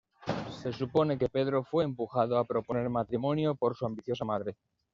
Se supone que Pedro fue empujado a proponer matrimonio por su ambiciosa madre.